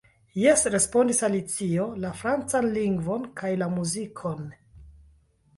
"Jes," respondis Alicio, "la francan lingvon kaj la muzikon."